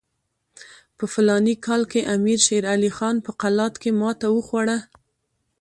په فلاني کال کې امیر شېر علي خان په قلات کې ماته وخوړه.